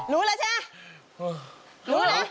รู้ปรับไปประตูนี้จะไปให้ตาย